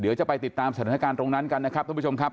เดี๋ยวจะไปติดตามสถานการณ์ตรงนั้นกันนะครับท่านผู้ชมครับ